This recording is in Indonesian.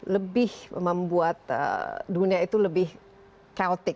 lebih membuat dunia itu lebih chaotic